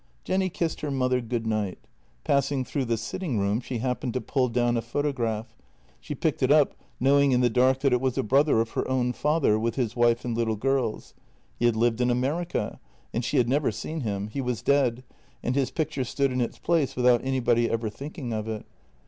Jenny kissed her mother good night. Passing through the sitting room, she happened to pull down a photograph; she picked it up, knowing in the dark that it was a brother of her own father, with his wife and little girls. He had lived in America, and she had never seen him; he was dead, and his picture stood in its place without anybody ever thinking of it.